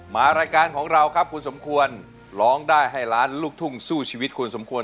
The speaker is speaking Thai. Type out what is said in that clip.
มารายการของเราครับคุณสมควรร้องได้ให้ล้านลูกทุ่งสู้ชีวิตคุณสมควร